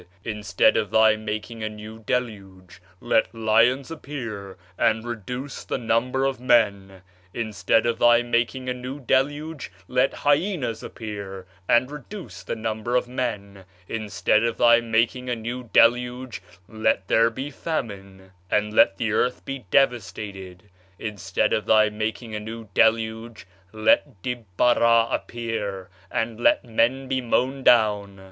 Instead of thy making a new deluge, let lions appear and reduce the number of men; instead of thy making a new deluge, let hyenas appear and reduce the number of men; instead of thy making a new deluge, let there be famine, and let the earth be [devastated]; instead of thy making a new deluge, let Dibbara appear, and let men be [mown down].